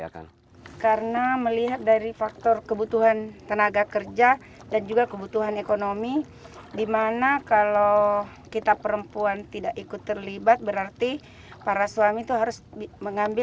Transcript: kami berupaya mengolah rumput laut tadi ini